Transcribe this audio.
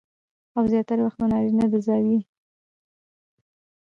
او زياتره وخت د نارينه د زاويې